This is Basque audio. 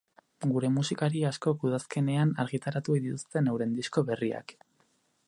Gure musikari askok udazkenean argitaratu ohi dituzte euren disko berriak.